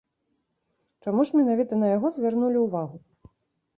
Чаму ж менавіта на яго звярнулі ўвагу?